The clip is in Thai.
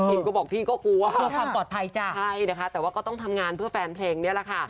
ก็บอกพี่ก็กลัวเพื่อความปลอดภัยจ้ะใช่นะคะแต่ว่าก็ต้องทำงานเพื่อแฟนเพลงนี่แหละค่ะ